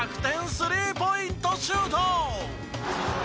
スリーポイントシュート！